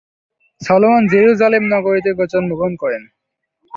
Solomon Jerusalem নগরীতে জন্মগ্রহণ করেন।